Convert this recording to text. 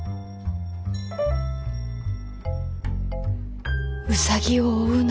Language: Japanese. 心の声ウサギを追うな。